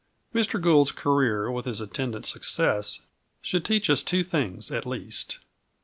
Mr. Gould's career, with its attendant success, should teach us two things, at least.